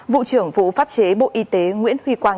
vụ trưởng phố pháp chế bộ y tế nguyễn huy quang